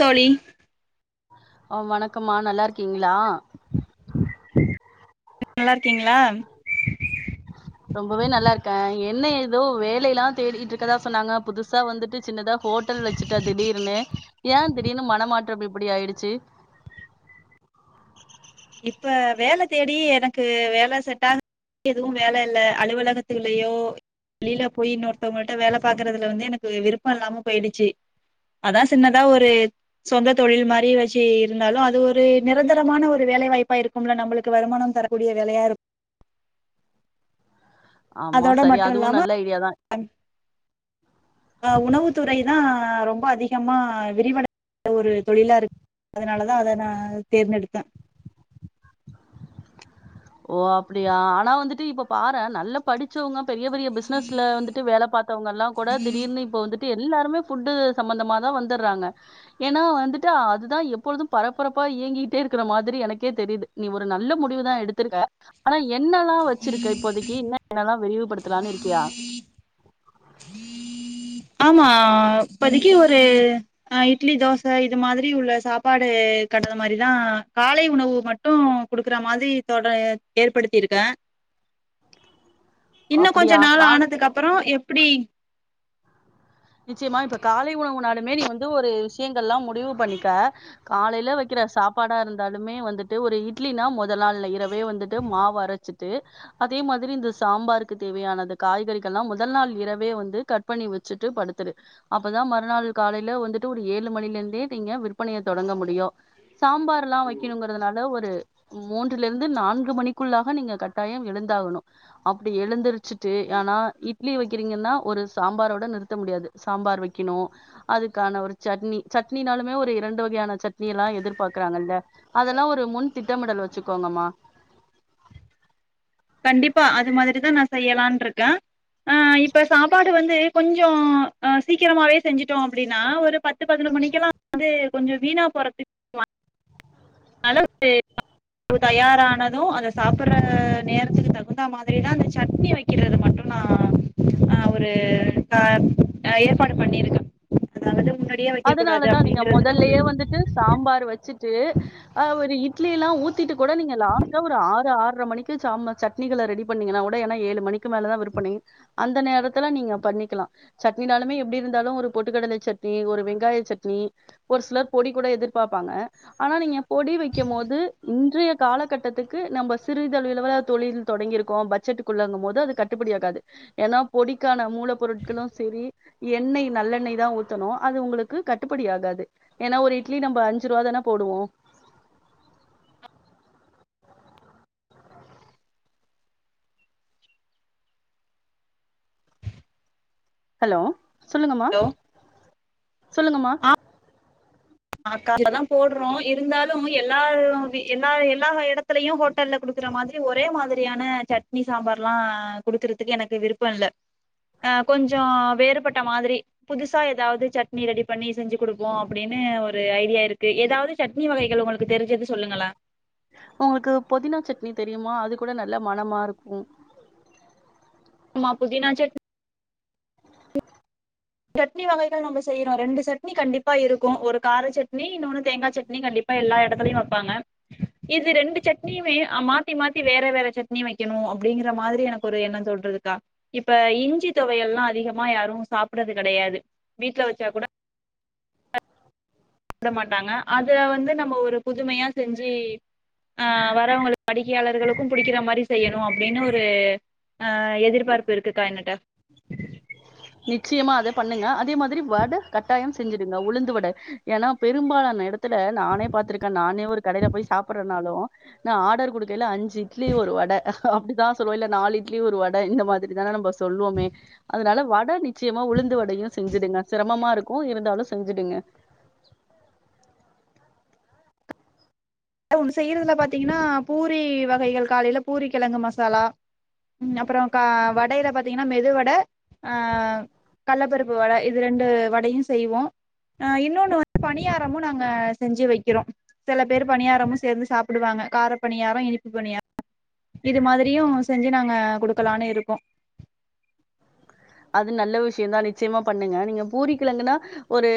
தோழி ஆ வணக்கம்மா நல்லா இருக்கீங்களா நல்லா இருக்கீங்களா ரொம்பவே நல்லா இருக்கேன் என்ன ஏதோ வேலைையெல்லாம் தேடிட்டு இருக்கறதா சொன்னாங்க புதுசா வந்துட்டு சின்னதா ஹோட் ட்டல் வச்சுட்ட திடீர்னு ஏன் திடீர்னு மனமாற்றம் இப்பிடி ஆயிடுச்சு இப்ப வேல தேடி எனக்கு வேல செட் ஆக எதுவும் வேல இல்ல அலுவலகத்துலயோ கீழ போயி இன்னொருத்தவுங்க கிட்ட வேல பாக்குறதுல வந்து எனக்கு விருப்பம் இல்லாம போயிடுச்சு அதான் சின்னதா ஒரு சொந்த தொழில் மாதிரி வச்சு இருந்தாலும் அது ஒரு நிரந்தரமான ஒரு வேலைவாய்ப்பா இருக்கும்ல நம்பளுக்கு வருமானம் தரக்கூடிய வேலையா இருக்கு ஆமா அதோட சரி மட்டு அதுவும் இல்லாம நல்ல ஐடியா தான் அ உணவு துறைதா ரொம்ப அதிகமா விரிவடை ஒரு தொழிலா இருக்கு அதனாலதா அத நா தேர்ந்தெடுத்தே ஓ அப்டியா ஆனா வந்துட்டு இப்ப பாரே நல்ல படிச்சவங்க பெரிய பெரிய பிஸ்னஸ்ல வந்துட்டு வேல பாத்தவங்க எல்லா கூட திடீர்னு இப்ப வந்துட் எல்லாருமே ஃபுட்டு் சம்பந்தமாதா வந்துர்றாங்க ஏன்னா வந்துட்டு அதுதா எப்பொழுது பரபரப்பா இயங்கிட்டே இருக்குற மாதிரி எனக்கே தெரிது நீ ஒரு நல்ல முடிவுதா எடுத் துருக்க ஆனா என்னல்லா வச்சிருக்க இப்போதக்கி என்ன என்னெல்லா விரிவுபடுத்தலான்னு இருக்கியா உஹம் ஆமா இப்பதிக்கு ஒரு அ இட்லி தோச இது மாதிரி உள்ள சாப்பாடு [unintelligible] மாரிதா காலை உணவு மட்டு குடுக்குற மாதிரி தொட ஏற்படுத்திருக்கே இன்னொ கொஞ்ச அப்படியா? நாள் கால் ஆனதுக்கு அப்ற எப்டி நிச்சயமா இப்ப காலை உணவு நாளுமே நீ வந்து ஒரு விஷயங்கள்லா முடிவு பண்ணிக்க காலைல வைக்ற சாப்பாடா இருந்தாலுமே வந்துட்டு ஒரு இட்லினா மொதல் நாள்ல இரவே வந்துட்டு மாவு அரச்சிட்டு அதே மாதிரி இந்த சாம்பாருக்கு தேவையான அந்த காய்கறிகள்லா மொதல் நாள் இரவே வந்து கட் பண்ணி வச்சுட்டு படு துரு அப்பதா மறுநாள் காலைல வந்துட்டு ஒரு ஏழு மணில இருந்தே நீங்க விற்பனைய தொடங்க முடியு சாம்பார்ல்லா வைக்கணுங்கிறதுனால ஒரு மூன்றுல இருந்து நான்கு மணிக்குள்ளாக நீங்க கட்டாயம் எழுந்தா ஆகணு அப்டி எழுந்திருச்சுட்டு ஆனா இட்லி வைக்கிறீங்கன்னா ஒரு சாம்பாரோட நிறுத்த முடியாது சாம்பார் வைக்கணு அதுக்கான ஒரு சட்னி சட்னினாலுமே ஒரு இரண்டு வகையான சட்னி எல்லா எதிர்பா இருக்றாங்கல்ல அதெல்லா ஒரு முன் திட்டமிடல் வச்சுக்கோங்கம்மா கண்டிப்பா அது மாதிரிதா நா செய்யலான்ட்ருக்கே ஆ இப்ப சாப்பாடு வந்து கொஞ்சோ அ சீக்கிரமாவே செஞ்சுட்டோ அப்படின்னா ஒரு பத் பத்து பதினொரு மணிக்கெல்லா வந்து கொஞ்ச வீணா போறது அளவு தயாரானது அத சாப்படுற நேர இதுக்கு தகுந்தா மாதிரிதா இந்த சட்னி வக்கிறது மட்டு நா அ ஒரு அ அ ஏற்பாடு பண்ணிருக்கே அதாவது முன்னாடியே வைக்க கூடாது அதனாலதான் நீங்க அப்டிங்கறதுல்லா ஒரு ச்சு அ ஒரு இட் இட்லிலா ஊத்திட்டு கொட நீங்க லாஸ்டா ஒரு ஆறு ஆர்ற மணிக்கு சாம சட்னிகள ரெடி பண்ணீங்கன்னா கூட ஏன்னா ஏழு மணி க்கு மேலதா விற்பனை அந்த நேரத்துல நீங்க பண்ணிக்கலா சட்னினாலுமே எப்டி இருந்தாலு ஒரு பொட்டுக்கடல சட் னி ஒரு வெங்காய சட்னி ஒரு சிலர் பொடி கூட எதிர்பாப்பாங்க ஆனா நீங்க பொடி வைக்கும் போது இன்றைய காலகட்டத்துக்கு நம்ம சிறுதளவிலவல தொழில் தொடங்கிருக்கோ பட்ஜெட்க்குள்ளங்கும் போது அது கட்டுப்புடியாகாது ஏன்னா பொடிக்கான மூல பொருட்களு சேரி எண்ணெய் நல்லெண்ணெய்தா ஊத் னு அது உங்குளுக்கு கட்டுப்படி ஆகாது ஏன்னா ஒரு இட்லி நம்ம அஞ்சு ருவாதான போடுவோ ஹலோ சொல்லுங்கமா ஹலோ சொல்லுங்கமா அக்கால்லதா போட்ரோ இருந்தாலு எல்லா எல்லா எல்லா எடத்துலயு ஹோட்டல்ல குடுக் குற மாதிரி ஒரே மாதிரியான சட்னி சாம்பார்லா குடுக்கறதுக்கு எனக்கு விருப்ப இல்ல அ கொஞ்சோ வேறுபட்ட மாதிரி புதுசா ஏதாவது சட்னி ரெடி பண்ணி செஞ்சு குடுப்போ அப்டின்னு ஒரு ஐடியா இருக்கு ஏதாவது சட்னி வகைகள் உங்குளுக்கு தெரிஞ்சது சொல்லுங்களே உங்களுக்கு பொதினா சட்னி தெரியுமா அது கூட நல்ல மனமா இருக்கு மா புதினாச்சட் சட்னி வகைகள் நம்ம செய்ரோ ரெண்டு சட்னி கண்டிப்பா இருக்கு ஒரு கார சட்னி இன்னொன்னு தேங்கா சட்னி கண்டிப் பா எல்லா எடத்துலயு வப்பாங்க இது ரெண்டு சட்னியுமே மாத்தி மாத்தி வேற வேற சட்னி வைக்கணு அப்டிங்கற மாதிரி எனக்கொரு எண்ணம் தோன்ரதுக்கா இப்ப இஞ்சி தொவையல்லா அதிகமா யாரும் சாப் டரது கெடையாது வீட்ல வச்சா கூட பிட மாட்டாங்க அத வந்து நம்ம ஒரு புதுமையா செஞ்சு அ வரவங்களுக்கு வாடிக்கையாளர்களுக்கு புடிக்கிறா மாறி செய்யணு அப்டின்னு ஒரு ஆஹ் எதிர்பார்ப்பு இருக்குக்கா என்னுட்ட நிச்சயமா அத பண்ணுங்க அதே மாதிரி வட கட்டாயம் செஞ்சிடுங்க உளுந்து வட ஏன்னா பெரும்பாலான எடத் ல நானே பாத்திருக்கே நானே ஒரு கடைல போய் சாப்றனாலு நா ஆர்டர் கொடுக்கயில அஞ்சு இட்லி ஒரு வ ட அப்டிதா சொல்லுவோ இல்ல நாலு இட்லி ஒரு வட இந்த மாதிரி தானே நம்ம சொல்லுவோமே அதனால வட ட நிச்சயமா உளுந்து வடயு செஞ்சுடுங்க சிரமமா இருக்கு இருந்தாலு செஞ்சுடுங்க ஒண்ணு செய்ரதுல பாத்தீங்கன்னா பூரி வகைகள் காலைல பூரி கெலங்கு மசாலா ம் அப்றோ கா வடையில பாத்தீங்கன்னா மெதுவட ஆ கள்ளப்பருப்பு வட இது ரெண்டு வடயு செய்வோ அ இன்னொன்னு வந்து பணியாரமு நாங்க செஞ்சு வைக்கிறோ சில பேர் பணியாரமு சேந்து சாப்டுவாங்க கார பணியாரோ இனிப்பு பணியாரோ இது மாதிரியு செஞ்சு நாங்க குடுக்கலான்னு இருக்கோ அது நல்ல விஷிய தா நிச்சயமா பண்ணுங்க நீங்க பூரிக்கெலங்குனா ஒரு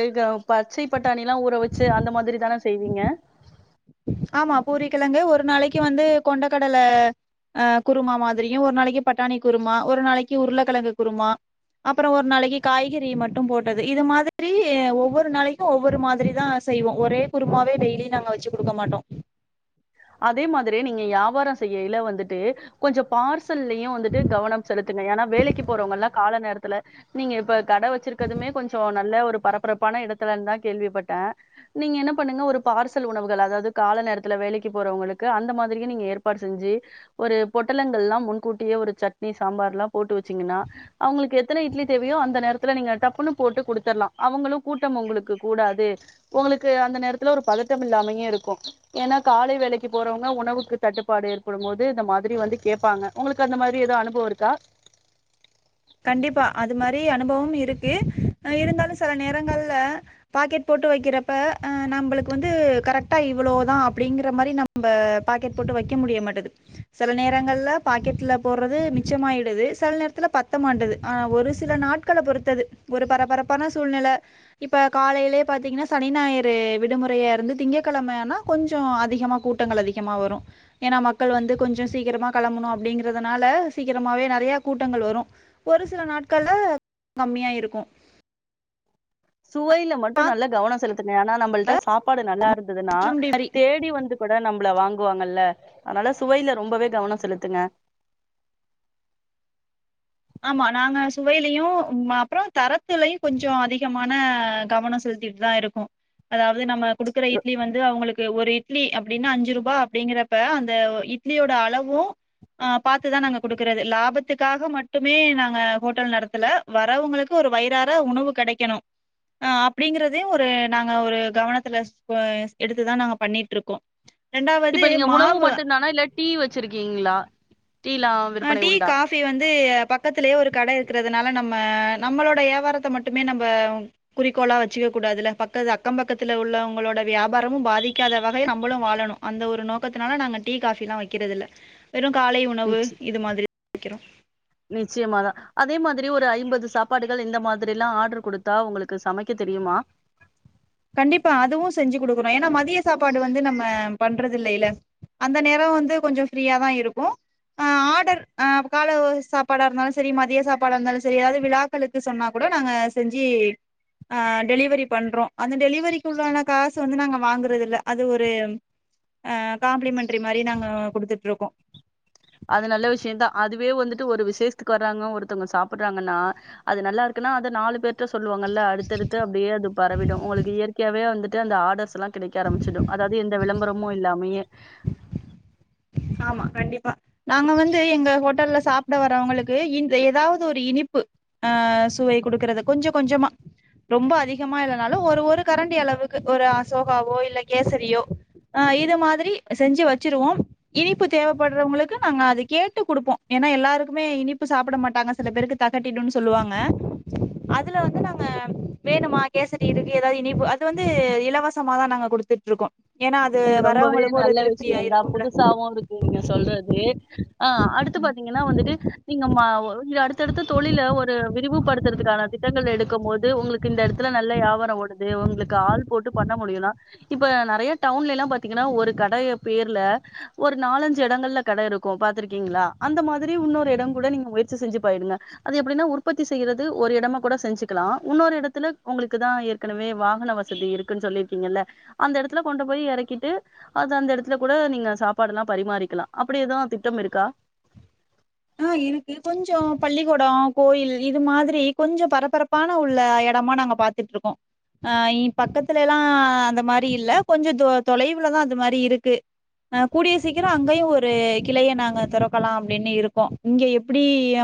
பச்சை பட்டாணிலா ஊற வச்சு அந்த மாதிரி தான செய்வீங்க ஆமா பூரிக்கிலங்கு ஒரு நாளைக்கு வந்து கொண்டக்கடல அ குருமா மாதிரியு ஒரு நாளைக்கு பட்டாணி குருமா ஒரு நாளைக்கு உருளக்கெலங்கு குருமா அப்ரோ ஒரு நாளைக்கு காய்கறி மட்டும் போட்டது இது மாதிரி ஒவ்வொரு நாளைக்கு ஒவ்வொரு மாதிரிதா செய்வோ ஒரே குருமாவே டெய்லி நாங்க வச்சு குடுக்க மாட்டோ அதே மாதிரி நீங்க யாவார செய்யயில வந்துட்டு கொஞ்ச பார்சல்லையு வந்துட்டு கவனம் செலுத்துங் ஏன்னா வேலைக்கு போறவங்கல்லா கால நேரத்துல நீங்க இப்ப கட வச்சிருக்கதுமே கொஞ்ச நல்ல ஒரு பரபரப்பான இடத்துல தான் கேள்விப்பட்டே நீங்க என்ன பண்ணுங்க ஒரு பார்சல் உணவுகள் அதாவது கால நேரத்துல வேலைக் க்கு போரவங்களுக்கு அந்த மாதிரியு நீங்க ஏற்பாடு செஞ்சு ஒரு பொட்டலங்கள்ல்லா முன்கூட்டியே ஒரு சட்னி சாம்பார் ல்லா போட்டு வச்சீங்கன்னா அவங்களுக்கு எத்தன இட்லி தேவயோ அந்த நேரத்துல நீங்க டப்புன்னு போட்டு குடுத்துலா அவங்களு கூட்டம் உங்களுக்கு கூடாது உங்களுக்கு அந்த நேரத்துல ஒரு பதட்டம் இல்லாமயு இருக்கு ஏன்னா காலை வேலைக்கு போரவங்க உணவுக்கு தட்டுப்பாடு ஏற்படும் போது இந்த மாதிரி வந்து கேட்பாங்க உங்களுக்கு அந்த மாதிரி ஏதும் அனுபவம் ருக்கா கண்டிப்பா அது மாறி அனுபவம் இருக்கு இருந்தாலு சில நேரங்கள்ல பாக்கெட் போட் ட்டு வைக்கிறப்ப ஆ நம்மளுக்கு வந்து கரெக்டா இவ்ளோதா அப்படிங்கிற மாரி நம்ம பாக்கெட் போட்டு வைக்க முடிய மாட்டேது சில நேரங்கள்ல பாக்கெட்ல போட்றது மிச்சமாயிடுது சில நேரத்தில பத் த்த மாட்டுது ஆனா ஒரு சில நாட்களை பொறுத்தது ஒரு பரபரப்பான சூழ்நில இப்ப காலையிலயே ப்ப பாத்திங்கன்னா சனி ஞாயிறு விடுமுறையா இருந்து திங்ககிழமையானா கொஞ்ச அதிகமாக கூட்டங்கள் அதிகமாக வரு ஏன்னா மக்கள் வந்து கொஞ்ச சீக்கிரமா கிளம்பணு அப்டிங்கறதுனால சீக்கிரமாவே நறைய கூட்டங்கள் வரு ஒரு சில நாட்கள்ல கம்மியா இருக்கு சுவையில மட்டு நல்லா கவன செலுத்துங்க ஏனா நம்மள்ட சாப்பாடு நல்லா இருந்ததுன்னா சிற்றுண்டி தேடி வந்து கூட நம் ல வாங்குவாங்கல்ல அதனால சுவையில ரொம்பவே கவன செலுத்துங்க [inaudible] ஆமா நாங்க சுவையிலையு அப்றோ தரத்துலையு கொஞ்ச அதிகமான கவன செலு த்திட்டு தா இருக்கு அதாவது நம்ம குடுக்குற இட்லி வந்து அவங்களுக்கு ஒரு இட்லி அப்டின்னா அஞ்சு ரூபா அப்டிங்கறப்ப அந்த இட்லியோட அளவு அ பாத்துதா நாங்க கொடுக்கறது லாபத்துக்காக மட் மட்டுமே நாங்க ஹோட்டல் நடத்துல வரவங்களுக்கு ஒரு வயிறாற உணவு கடைக்கணு ஆ அப்டிங்கறதே ஒரு நாங்க ஒரு கவனத்துல எடுத்துதா நாங்க பண்ணிட்ருக்கோ இப்ப நீங்க உணவு மட்டு தானா இல்ல டீ வச்சிருக்கீங்களா டீலா ஆ விற்பனை டீ உண்டா காபி வந்து பக்கத்திலேயே ஒரு கட இருக்கிற தனால நம்ம நம்மளோட யாவாரத்த மட்டுமே நம்ம குறிக்கோளா வச்சுக்க கூடாதுல பக்கத்து அக்கம்பக் த்துல உள்ளவங்களோட வியாபாரமு பாதிக்காத வகை நம்மளு வாழணு அந்த ஒரு நோக்கத்தினால நாங்க டீ காஃபில்லா வச் வக்கிறது இல்ல வெறு காலை உணவு இது மாதிரி வைக்கிறோ நிச்சயமா தா அதே மாதிரி ஒரு ஐம்பது சாப்பாடுகள் இந்த மாதிரில்லா ஆர்டர் குடுத்தா உங்களுக்கு சமைக்க தெரியுமா கண்டிப்பா அதுவு செஞ்சி குடுக்குறே ஏன்னா மதிய சாப்பாடு வந்து நம்ம பண்றது இல்லல்ல அந்த நேரோ வந்து கொஞ்சோ ஃப்ரீய தா இருக்கு ஆ ஆடர் அ கால சாப்பாடா இருந்தாலு செரி மதிய சாப்பாடா இருந்தாலு செரி எதாவது விழாக்களுக்கு சொன்னா கூட நாங்க செஞ்சி டெலிவரி பண்றோ அந்த டெலிவரிக்கு உள்ளான காசு வந்து நாங்க வாங்குறது இல்ல அது ஒரு ஆ காம்ப்ளிமென்ட்ரி மாரி நாங்க குடுத்துட்டு இருக்கோ அது நல்ல விஷயம் தா அதுவே வந்துட்டு ஒரு விசேஷ க்கு வர்றாங்க ஒருத்தவங்க சாப்புட்றாங்கன்னா அது நல்லா இருக்குன்னா அத நாலு பேர் த சொல்லுவாங்கல்ல அடுத்தடுத்து அப்டியே அது பரவிடு உங்களுக்கு இயற்கையாவவே வந்துட்டு அந்த ஆர்டர்ஸ்லா கிடைக்க ஆரம்பிச்சிடு அதாவது எந்த விளம்பரமும் இல்லாமையே ஆமா கண்டிப்பா நாங்க வந்து எங்க ஹோட்டல்ல சாப்ட வர்றவங்களுக்கு க்கு இந்த ஏதாவது ஒரு இனிப்பு அ சுவை குடுக்கறது கொஞ்ச கொஞ்சமா ரொம்ப அதிகம் மா இல்லனாலு ஒரு ஒரு கரண்டி அளவுக்கு ஒரு அசோகாவோ இல்ல கேசரியோ ஆ இது மாதிரி செஞ்சி வச்சிருவோம் இனிப்பு தேவப்பட்றவங்களுக்கு நாங்க அது கேட்டு குடுப்போம் ஏன்னா எல்லாருக்குமே இனிப்பு சாப்பிட மாட்டாங்க சில பேருக்கு தக்கட்டிடும்னு சொல்லுவாங்க அதுல வந்து நாங்க வேணுமா கேசரி இருக்கு ஏதாவது இனிப்பு அது வந்து இலவசமாதா நாங்க குடு குடுத்துட்டு இருக்கோம் ஏன்னா அது வரவங்களுக்கு ஒரு திருப்தியா இருக்கும்ல தவோ இருக்கு நீங்க சொல்றது ஆ அடுத்து பாத்தீங்கன்னா வந்துட்டு நீங்க ம ஒ அடுத்தடுத்து தொழில்ல ஒரு விரிவுபடுத்துறதுக்கான திட்டங்கள் எடுக்கும் போது உங்களுக்கு இந்த எடத்துல நல்ல வியாபாரம் ஓடுது உங் உங்களுக்கு ஆள் போட்டு பண்ண முடியும்னா இப்ப நறைய டவுன்ல எல்லா பாத்தீங்கன்னா ஒரு கடைய பேர்ல ஒரு நாலஞ்சு இடங்கள்ல கடை இருக்கு பாத்திருக்கீங்களா அந்த மாதிரி உன்னொரு எடோ கூட நீங்க முயற்சி செஞ்சி பாயிடுங்க அது எப்டின்னா உற்பத்தி செய்றது ஒரு எடமா கூட செஞ்சுக்கலா உன்னொரு எடத்துல உங்களுக்கு தா ஏற்கனவே வாகன வசதி இருக்குன்னு சொல்லிருக்கீங்கல அந்த எடத்துல கொண்டு போய் எறக்கிட்டு அது அந்த எடத்துல கூட நீங்க சாப்பாடு எல்லா பரிமாறிக்கலாம் அப்டி ஏதுவு திட்டம் இருக்கா [inaudible] ஆ இருக்கு கொஞ்சோ பள்ளிக்கூடோ கோயில் இது மாதிரி கொஞ்சோ பரபரப்பான உள்ள எட டமா நாங்க பாத்துட்டு இருக்கோம் அ எயா பக்கத்துல எல்லா அந்த மாரி இல்ல கொஞ்சோ தொ தொலைவுலதா அது மாரி இருக்கு அ கூடிய சீக்கிரோ அங்கயு ஒரு கிளைய நாங்க தொறக்கலாம் அப்டின்னு இருக் கோம் இங்க எப்டி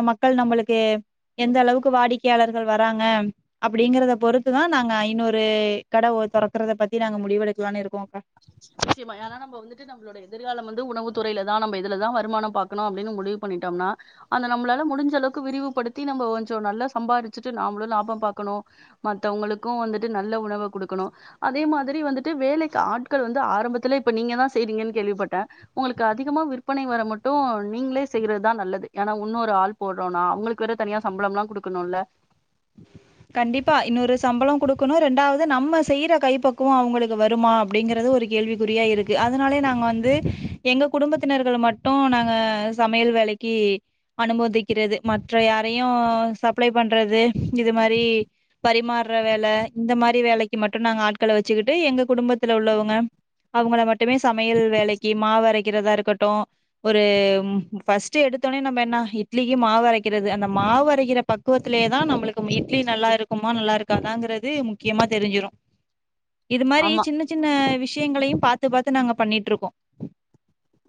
மக்கள் நம்மளுக்கு எந்த அளவுக்கு வாடிக்கையாளர்கள் வராங்க அப்டிங்கறத பொறுத்துதா நாங்க இன்னொரு கடை தொறக்கறத பத்தி நாங்க முடிவெடுக்கலான்னு இருக்கோம் நிச்சயமா ஏனா நம்ம வந்துட்டு நம்மளோட எதிர்காலம் வந்து உணவு துறையில தா நம் இதுல தா வருமானோ பாக்கணு அப்டின்னு முடிவு பண்ணிட்டோம்னா அந்த நம்மலால முடிஞ்சளவுக்கு விரிவுபடுத்தி நம் ம்போ கொஞ்சோ நல்லா சம்பாரிச்சுட்டு நாம்ளு லாபம் பாக்கணு மத்தவங்களுக்கு வந்துட்டு நல்ல உணவ குடுக்கணு அதே மாதிரி வந்துட்டு வேலைக்கு ஆட் கள் வந்து ஆரம்பத்திலே இப்ப நீங்க தா செய்றீங்கன் கேள்விப்பட்டே உங்களுக்கு அதிகமா விற்பனை வர மட்டு நீங்ளே செய்றதுதா நல்லது ஏனா உன்னொரு ஒரு ஆள் போட்றோனா அவங்களுக்கு வேற தனியா சம்பளம்லா குடுக்கணும்ல கண்டிப்பா இன்னொரு சம்பளோ குடுக்கணு ரெண்டாவது நம்ம செய்யற கைப்பக்குவோ அவங்களுக்கு வரு வருமா அப்டிங்கறது ஒரு கேள்விக்குறியா இருக்கு அதனாலே நாங் க வந்து எங்க குடும்பத்தினர்கள்ல மட்டு நாங்க சமையல் வேலைக்கி அனுமதிக்கிற றது மற்ற யாரையு சப்ளை பண்றது இது இது மாரி பரிமார்ற வேல இந்த மாரி வேலைக்கு மட்டு நாங்க ஆட்கள வச்சுக்கிட்டு எங்க குடும்பத்துல உள்ள உள்ளவங்க அவுங்கள மட்டுமே சமையல் வேலைக்கு மாவரைக்கிறதா இருக்கட்டு ஒரு ஃபர்ஸ்ட் எடு எடுத்தோனே நம்ம என்னா இட்லிக்கு மாவரைக்கிறது அந்த மாவரைகிற பக்குவத்திலே தா நம்மளுக் இட்லி நல்லா இருக்குமா நல்லா இருக்காதாங்கிறது முக்கியமா தெரிஞ்சிரு இது மாதிரி ஆமா சின்ன சின்ன விஷயங்களையு பாத்து பாத்து நாங்க பண்ணிட்ருக்கோ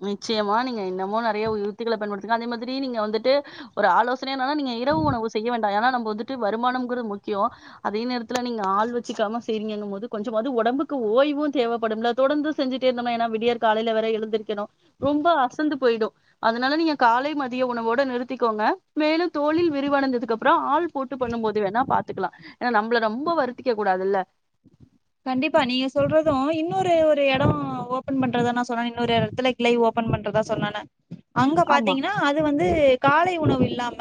நிச்சயமா நீங்க என்னமோ நெறைய உத்திகள பயன்படுத்துங்க அதே மாரி நீங்க வந்துட்டு ஒரு ஆலோச னைனால நீங்க இரவு உணவு செய்ய வேண் ஆனா நம்ம வந்துட்டு வருமானம்கறது முக்கியோ அதே நேரத்தில நீங்க ஆள் வச்சுக்காம செய்ரிங்கனும் போது கொஞ்சமாது ஒ ஒடம்புக்கு ஓய்வு தேவைப்படும்ல தொடர்ந்து செஞ்சுட்டே இருந்தோம்னா ஏன்னா விடியர் காலையில வ எழுந்திருக்கணு ரொம்ப அசந்து போயிடும் அதனால நீங்க காலை மதிய உணவோட நிறுத்திக்கோங்க மேலும் தோழி விரிவானந்ததுக்கு அப்புறமஆள் போட்டு பண்ணும் போது வேணா பாத்துக்கலா ஏன்னா நம்மள ரொம்ப வருத்திக்க கூடாதுல்ல கண்டிப்பா நீங்க சொல்றது இன்னொரு ஒரு எட ஓபன் பண்றத நா சொன்னே இன்னொரு எடத்துல கிளை ஓ ப்பன் பண்றதா சொன்ன அங்க ஆமா. பாத்தீங்கன்னா அது வந்து காலை உணவு இல்லாம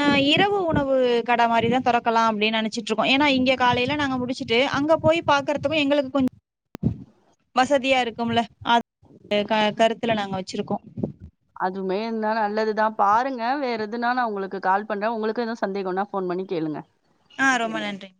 ஆ இரவு உணவு கட மாரிதா தொறக்கலா அப்டின்னு நெனைச்சிட்ருக்கோ ஏன்னா இங்க காலையில நாங்க முடிச்சுட்டு அங்க போய் பாக்குறதுக்கு எங்களுக் கொஞ் வசதியா இருக்கும்ல அ க கருத்துல நாங்க வச்சிருக்கோ அதுமே இருனா நல்லதுதா பாருங்க வேற எதுன்னா நா உங்களுக்கு கால் பண்றே உங்களுக்கு எது சந்தேகம்னா போன் பண்ணி கேளுங்க ஆ ரொம்ப நன்றி